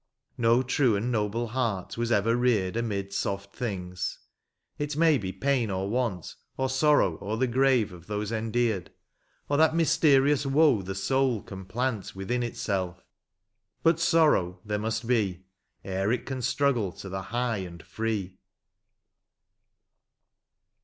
No true and noble heart was ever reared Amid soft things ; it may be pain or want. Or sorrow o'er the grave of those endeared, Or that mysterious woe the soul can plant Within itself, — but sorrow there must be, Ere it can struggle to the high and free.